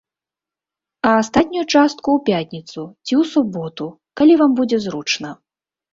А астатнюю частку ў пятніцу ці ў суботу, калі вам будзе зручна.